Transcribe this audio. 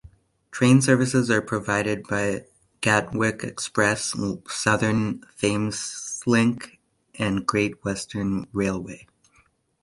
Train services are provided by Gatwick Express, Southern, Thameslink and Great Western Railway.